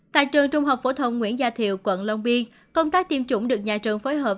tại trường trung học phổ thông nguyễn gia thiệu quận long biên công tác tiêm chủng được nhà trường phối hợp